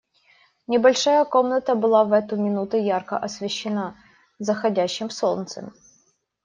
Небольшая комната была в эту минуту ярко освещена заходящим солнцем.